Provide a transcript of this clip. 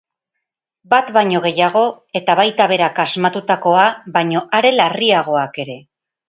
Bat baino gehiago, eta baita berak asmatutakoa baino are larriagoak ere.